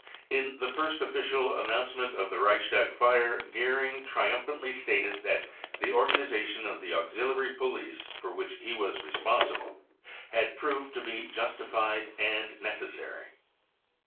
In the first official announcement of the Reichstag lire, Goering triumphantly staled that the organisation of the * auxiliary police, for which he was responsible, had proved to be justified and necessary.